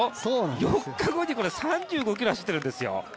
４日後に３５ｋｍ走ってるんですよ